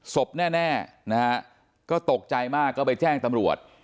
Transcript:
ศพแน่นะฮะก็ตกใจมากก็ไปแจ้งตำรวจ